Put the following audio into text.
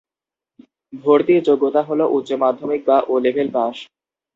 ভর্তির যোগ্যতা হলো উচ্চ মাধ্যমিক বা ও-লেভেল পাশ।